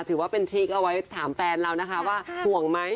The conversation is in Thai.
ถือว่าเป็นทริคเอาไว้ถามแฟนเรานะคะว่าห่วงไหม